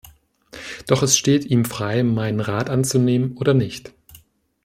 Doch es steht ihm frei, meinen Rat anzunehmen oder nicht.